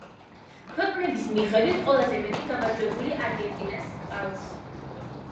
ქვეყნების მიხედვით ყველაზე მეტი გამარჯვებული არგენტინას ჰყავს.